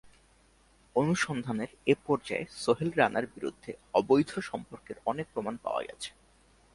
অনুসন্ধানের এ পর্যায়ে সোহেল রানার বিরুদ্ধে অবৈধ সম্পদের অনেক প্রমাণ পাওয়া গেছে।